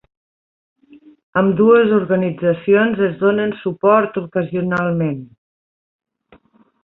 Ambdues organitzacions es donen suport ocasionalment.